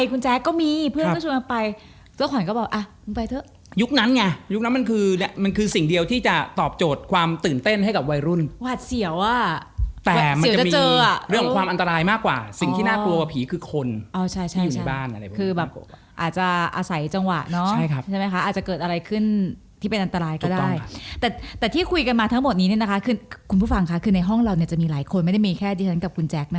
คุณแจ๊คคือกลัวจริงจบ